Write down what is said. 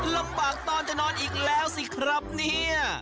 ลำบากตอนจะนอนอีกแล้วสิครับเนี่ย